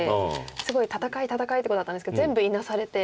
すごい戦い戦いって碁だったんですけど全部いなされて。